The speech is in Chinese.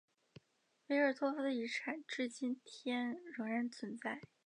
维尔托夫的遗产至今天仍然存在。